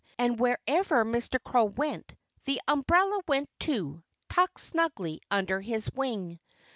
And wherever Mr. Crow went, the umbrella went too, tucked snugly under his wing.